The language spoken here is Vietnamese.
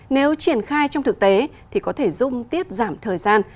nếu triển khai trong thực tế thì có thể giúp tiết giảm thời gian